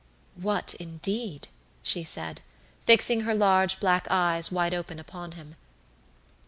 "What, indeed?" she said, fixing her large black eyes wide open upon him.